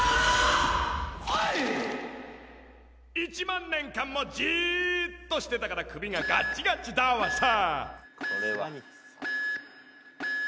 「１万年間もじっとしてたから首がガッチガチだわさ」